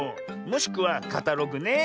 もしくは「カタログ」ね。